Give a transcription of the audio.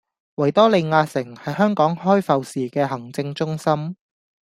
維多利亞城係香港開埠時嘅行政中心